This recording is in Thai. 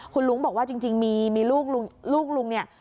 คุณลุงบอกว่าจริงมีลูกลุงเนี่ย